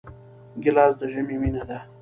ګیلاس د ژمي مینه ده.